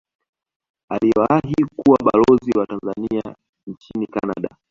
aliwahi kuwa balozi wa tanzania nchini canada